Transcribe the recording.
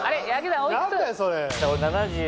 何だよそれ！